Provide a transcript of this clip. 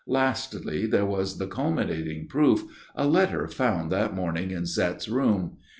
Lastly, there was the culminating proof, a letter found that morning in Zette's room.